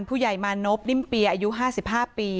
ผู้ใหญ่มานพนิ่มเปียอายุ๕๕ปี